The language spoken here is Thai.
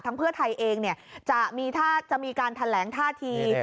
ทั้งเพื่อไทยเองจะมีการแทนแหลงท่าที